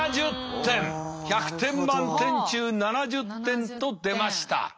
１００点満点中７０点と出ました。